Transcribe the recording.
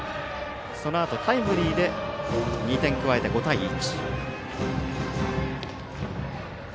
そのあとタイムリーで２点加えて５対１。